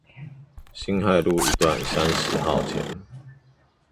辛亥路一段三〇號前